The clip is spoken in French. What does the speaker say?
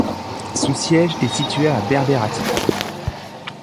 Son siège est situé à Berbérati.